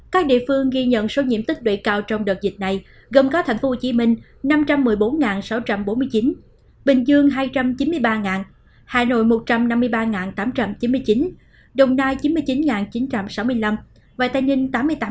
các địa phương ghi nhận số nhiễm tức độ cao trong đợt dịch này gồm có tp hcm năm trăm một mươi bốn sáu trăm bốn mươi chín bình dương hai trăm chín mươi ba hà nội một trăm năm mươi ba tám trăm chín mươi chín đồng nai chín mươi chín chín trăm sáu mươi năm và tây ninh tám mươi tám